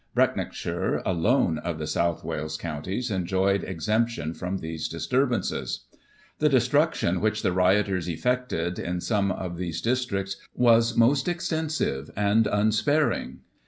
Brecknockshire, alone of the South Digiti ized by Google 1 843 1 REBECCA. 203 Wales counties, enjoyed exemption from these disturbances. The destruction which the rioters effected in some of these districts was most extensive and unsparing.